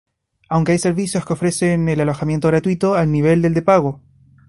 Aunque hay servicios que ofrecen el alojamiento gratuito al nivel del de pago.